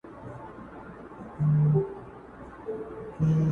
خپله به يې نه مني